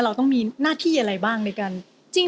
เราต้องมีหน้าที่อะไรบ้างในการ